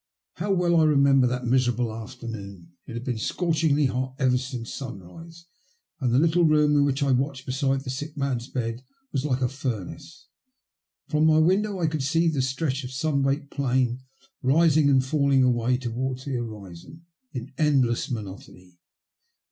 How well I remember that miserable afternoon ! It had been scorchingly hot ever since sunrise, and the little room in which I watched beside the sick man's bed was like a furnace. From my window I could see the stretch of sunbaked plain rising and falling away towards the horizon in endless monotony.